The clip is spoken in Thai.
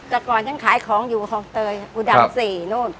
ใช่แต่ก่อนยังขายของอยู่ห้องเจิญอุดัมจริห์นู่น